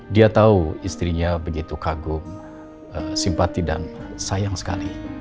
dia tahu istrinya begitu kagum simpati dan sayang sekali